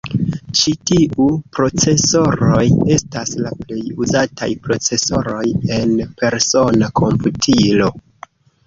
Ĉi tiu procesoroj estas la plej uzataj procesoroj en persona komputilo.